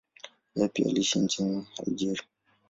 Yeye pia aliishi nchini Algeria.